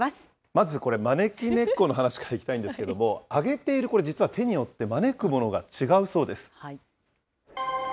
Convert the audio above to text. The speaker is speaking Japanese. まずこれ、招き猫の話からいきたいんですけれども、上げているこれ、手によって、招くものが違うそうです。